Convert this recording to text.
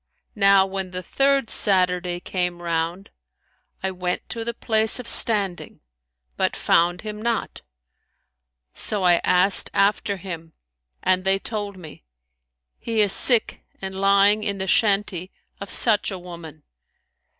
Now when the third Saturday came round, I went to the place of standing, but found him not; so I asked after him and they told me, He is sick and lying in the shanty of such a woman.'